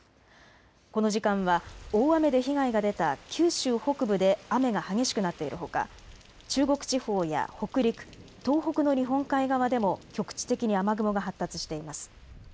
この時間は大雨で被害が出た九州北部で雨が激しくなっているほか、中国地方や北陸、東北の日本海側でも局地的に雨雲が発達しています。